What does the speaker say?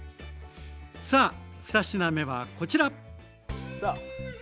さあ２品目はこちら。